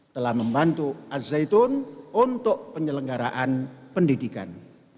telah membantu al zaitun untuk penyelenggaraan pendidikan